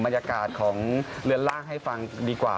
บรรยากาศของเรือนล่างให้ฟังดีกว่า